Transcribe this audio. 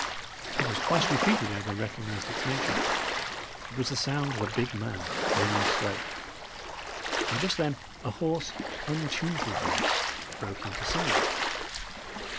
It was twice repeated ere they recognised its nature. It was the sound of a big man clearing his throat; and just then a hoarse, untuneful voice broke into singing.